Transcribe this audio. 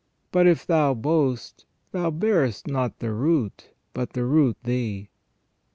But if thou boast, thou bearest not the root, but the root thee."